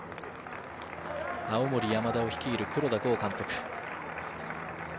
青森山田を率いる黒田剛監督。